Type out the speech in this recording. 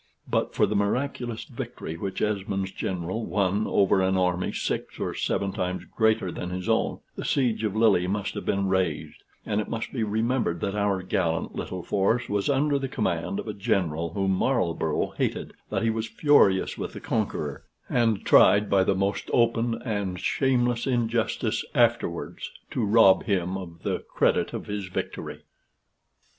But for the miraculous victory which Esmond's general won over an army six or seven times greater than his own, the siege of Lille must have been raised; and it must be remembered that our gallant little force was under the command of a general whom Marlborough hated, that he was furious with the conqueror, and tried by the most open and shameless injustice afterwards to rob him of the credit of his victory.